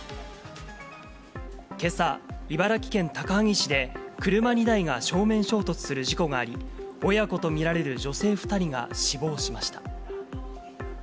けさ、茨城県高萩市で、車２台が正面衝突する事故があり、親子と見られる女性２人が死亡しました。